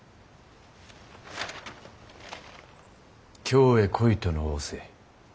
京へ来いとの仰せ。